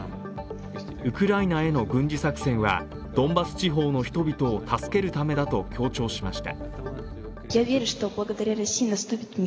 ウクライナへの軍事作戦はドンバス地方の人たちを助けるためだと強調しました。